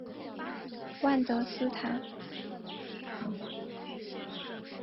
万德斯坦。